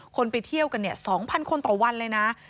ไปเที่ยวกัน๒๐๐คนต่อวันเลยนะ